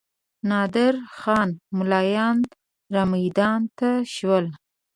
نادر خان ملایان رامیدان ته شول.